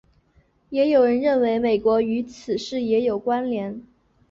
也有人认为美国与此事也有关连。